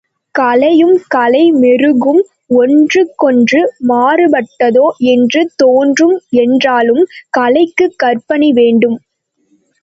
கலையும் கலை மெருகும் ஒன்றுக்கொன்று மாறுபட்டதோ என்று தோன்றும், என்றாலும் கலைக்குக் கற்பனை வேண்டும்.